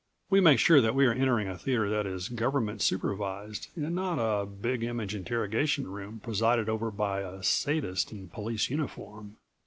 we make sure that we are entering a theater that is Government supervised and not a Big Image interrogation room presided over by a sadist in police uniform.